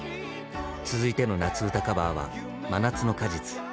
続いての夏うたカバーは「真夏の果実」。